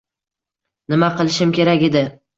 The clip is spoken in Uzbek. Nima qilishim kerak edi?